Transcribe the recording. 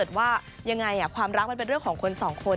ถ้าความรักเป็นเรื่องของคนสองคน